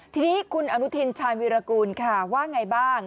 ทีนี้คุณอนุทินชาญวิรากูลค่ะว่าไงบ้าง